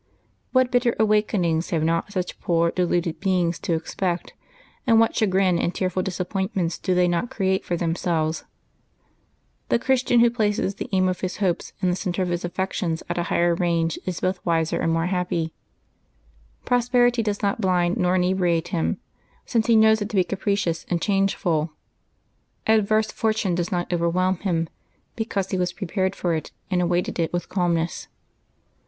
What bitter awakenings have not such poor deluded beings to expect, and what chagrin and tearful disappointments do they not create for themselves ! The Christian who places the aim of his hopes and the centre of his affections at a higher range is both wiser and more happy. Prosperity does not blind nor inebriate him, since he knows it to be capricious and changeful; adverse fortune does not overwhelm him, because he was prepared for it and awaited it with calm ness.